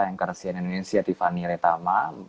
engkarsian indonesia tiffany retama